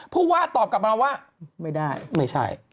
ผู้ว่าตอบกลับมาว่าไม่ได้ไม่ใช่